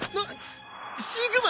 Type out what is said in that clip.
シグマ！